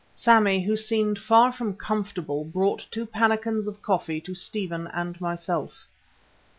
Sammy, who seemed far from comfortable, brought two pannikins of coffee to Stephen and myself.